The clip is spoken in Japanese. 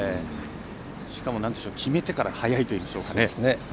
しかも、決めてから早いといいますか。